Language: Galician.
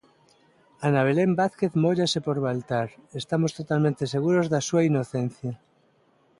Ana Belén Vázquez "móllase" por Baltar: "Estamos totalmente seguros da su inocencia".